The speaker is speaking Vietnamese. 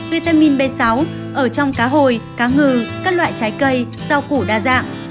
vitamin b sáu ở trong cá hồi cá ngừ các loại trái cây rau củ đa dạng